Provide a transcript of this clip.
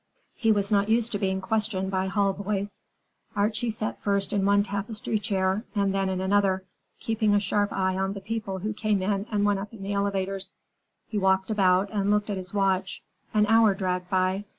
He was not used to being questioned by hall boys. Archie sat first in one tapestry chair and then in another, keeping a sharp eye on the people who came in and went up in the elevators. He walked about and looked at his watch. An hour dragged by.